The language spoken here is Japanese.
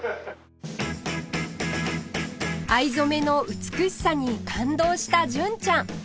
藍染めの美しさに感動した純ちゃん